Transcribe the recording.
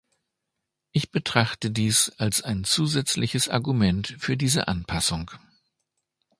Ich betrachte dies als ein zusätzliches Argument für diese Anpassung.